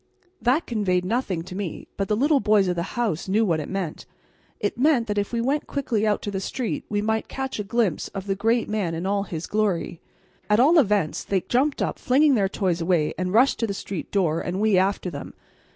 That conveyed nothing to me, but the little boys of the house knew what it meant; it meant that if we went quickly out to the street we might catch a glimpse of the great man in all his glory. At all events, they jumped up, flinging their toys away, and rushed to the street door, and we after them.